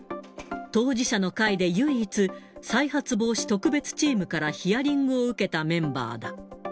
当事者の会で唯一、再発防止特別チームからヒアリングを受けたメンバーだ。